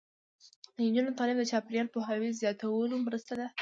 د نجونو تعلیم د چاپیریال پوهاوي زیاتولو مرسته ده.